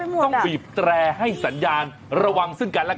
เพราะว่าต้องบีบแปลให้สัญญาณระวังซึ่งกันล่ะกัน